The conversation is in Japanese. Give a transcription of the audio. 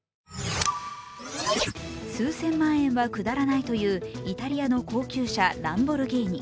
数千万円はくだらないというイタリアの高級車・ランボルギーニ